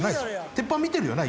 鉄板見てるよな？